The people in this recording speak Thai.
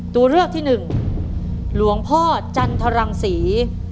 ตัวเลือกที่หนึ่งหลวงพ่อจันทรังศรี